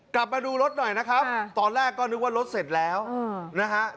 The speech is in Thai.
กลับไปดูลดหน่อยนะครับตอนแรกก็นึกว่าลดเต็มแข็งเติบแล้ว